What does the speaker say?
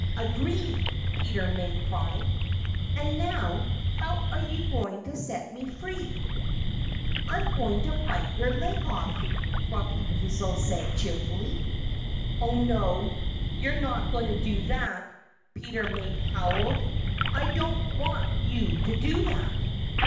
"Agreed!" Peter Mink cried. "And now, how are you going to set me free?" "I'm going to bite your leg off," Grumpy Weasel said cheerfully. "Oh, no! You're not going to do that!" Peter Mink howled. "I don't want you to do that!"